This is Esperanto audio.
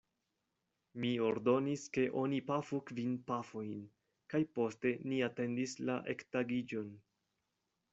Mi ordonis ke oni pafu kvin pafojn, kaj poste ni atendis la ektagiĝon.